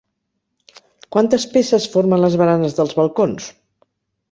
Quantes peces formen les baranes dels balcons?